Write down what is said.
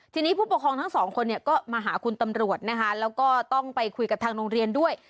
ทีนี้ผู้ปกครองทั้งสองคนเนี่ยก็มาหาคุณตำรวจนะคะแล้วก็ต้องไปคุยกับทางโรงเรียนด้วย